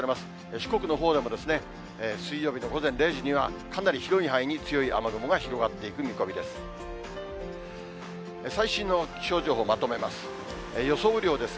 四国のほうでも、水曜日の午前０時には、かなり広い範囲に強い雨雲が広がっていく見込みです。